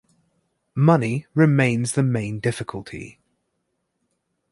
Money remains the main difficulty.